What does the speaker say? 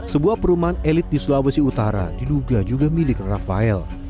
sebuah perumahan elit di sulawesi utara diduga juga milik rafael